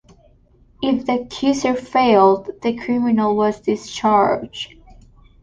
If the accuser failed, the criminal was discharged.